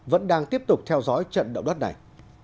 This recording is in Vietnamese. vẫn đang tiếp tục theo dõi trận động đất này